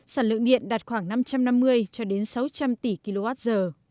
sản lượng điện đạt khoảng năm trăm năm mươi sáu trăm linh tỷ kwh